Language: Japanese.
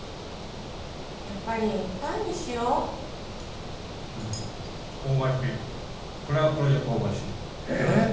やっぱりパンにしよううん香ばしいこれはこれで香ばしいえーっ！？